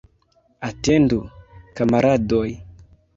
Atendu, kamaradoj!